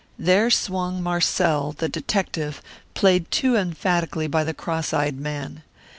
There swung Marcel, the detective, played too emphatically by the cross eyed man.